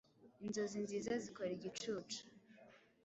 Inzozi nziza zikora igicucu,